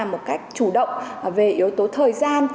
một cách chủ động về yếu tố thời gian